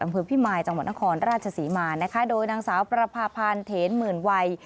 อำเภอพิมายจังหวัดนครราชศรีมานะคะโดยนางสาวประพาพันธ์เถนหมื่นวัย